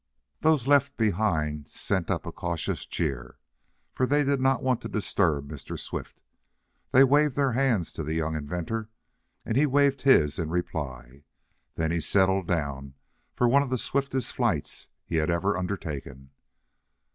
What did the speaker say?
Those left behind sent up a cautious cheer, for they did not want to disturb Mr. Swift. They waved their hands to the young inventor, and he waved his in reply. Then he settled down for one of the swiftest flights he had ever undertaken.